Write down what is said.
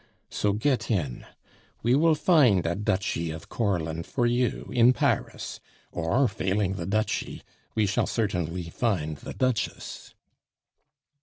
So get in; we will find a duchy of Courland for you in Paris, or failing the duchy, we shall certainly find the duchess."